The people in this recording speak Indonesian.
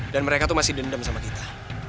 dan mereka tuh masih dendam sama kita